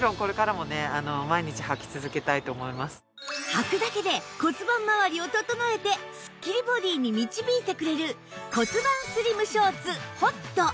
はくだけで骨盤まわりを整えてスッキリボディーに導いてくれる骨盤スリムショーツ ＨＯＴ